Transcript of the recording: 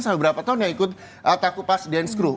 selama berapa tahun yang ikut takupas dance crew